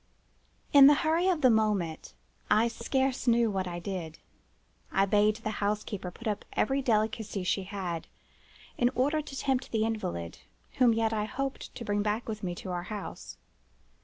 "In the hurry of the moment I scarce knew what I did. I bade the housekeeper put up every delicacy she had, in order to tempt the invalid, whom yet I hoped to bring back with me to our house.